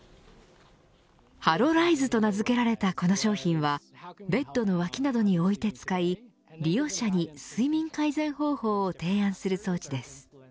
ハロライズと名付けられたこの商品はベッドの脇などに置いて使い利用者に睡眠改善方法を提案する装置です。